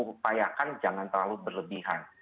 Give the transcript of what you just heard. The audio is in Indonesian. upayakan jangan terlalu berlebihan